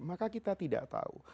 maka kita tidak tahu